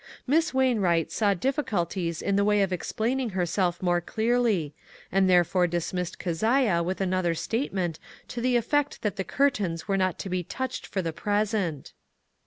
Miss Wainwright saw difficulties in the way of explaining herself more clearly, and therefore dismissed Keziah with another state ment to the effect that the curtains were not to be touched for the present.